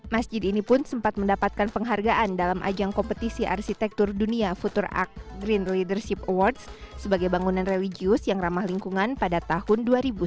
masjid ini pun sempat mendapatkan penghargaan dalam ajang kompetisi arsitektur dunia futurak green leadership awards sebagai bangunan religius yang ramah lingkungan pada tahun dua ribu sembilan belas